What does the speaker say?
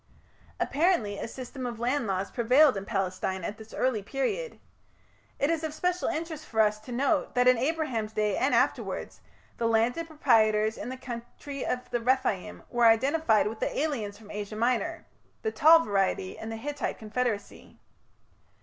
Apparently a system of land laws prevailed in Palestine at this early period. It is of special interest for us to note that in Abraham's day and afterwards, the landed proprietors in the country of the Rephaim were identified with the aliens from Asia Minor the tall variety in the Hittite confederacy.